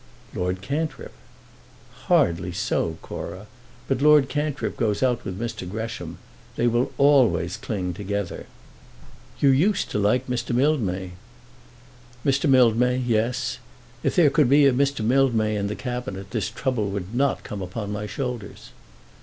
"Lord Cantrip." "Hardly so, Cora. But Lord Cantrip goes out with Mr. Gresham. They will always cling together." "You used to like Mr. Mildmay." "Mr. Mildmay, yes! If there could be a Mr. Mildmay in the Cabinet, this trouble would not come upon my shoulders."